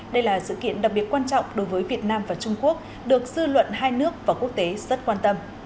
đây là sự kiện đặc biệt quan trọng đối với việt nam và trung quốc được dư luận hai nước và quốc tế rất quan tâm